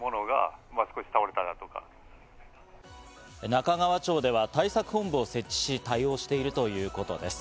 中川町では対策本部を設置し対応しているということです。